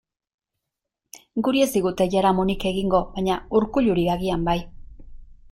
Guri ez digute jaramonik egingo, baina Urkulluri agian bai.